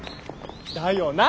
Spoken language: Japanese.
だよな！